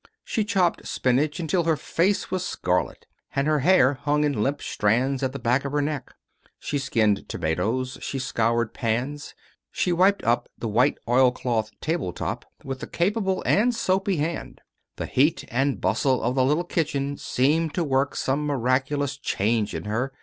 She chopped spinach until her face was scarlet, and her hair hung in limp strands at the back of her neck. She skinned tomatoes. She scoured pans. She wiped up the white oilcloth table top with a capable and soapy hand. The heat and bustle of the little kitchen seemed to work some miraculous change in her.